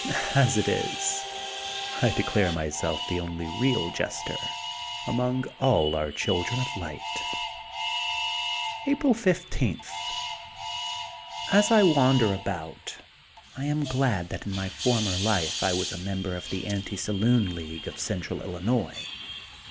As it is, I declare myself the only real jester among all our children of light.'* April 15: — ^As I wander about, I am glad that in my former life I was a member of the Anti Saloon League of Central Illinois.